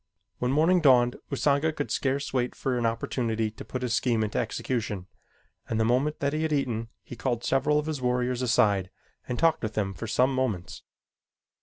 When morning dawned Usanga could scarce wait for an opportunity to put his scheme into execution, and the moment that he had eaten, he called several of his warriors aside and talked with them for some moments.